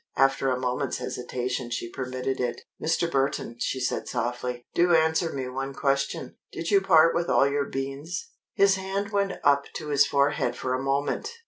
After a moment's hesitation she permitted it. "Mr. Burton," she said softly, "do answer me one question. Did you part with all your beans?" His hand went up to his forehead for a moment.